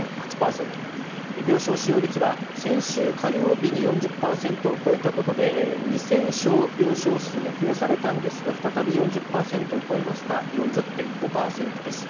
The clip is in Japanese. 病床使用率は先週火曜日に４０％を超えたことで２０００床病床数が増やされたんですが再び４０％を超えました４０．５％です。